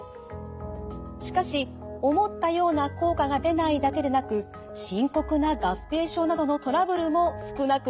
しかし思ったような効果が出ないだけでなく深刻な合併症などのトラブルも少なくありません。